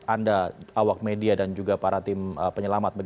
anda awak media dan juga para tim penyelamat